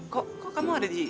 kok kamu ada di